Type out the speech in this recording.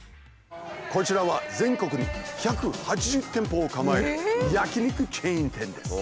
こちらは全国に１８０店舗を構える焼き肉チェーン店です。